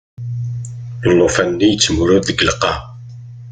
Llufan-nni yettmurud deg lqaɛa.